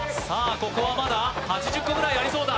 ここはまだ８０個ぐらいありそうだ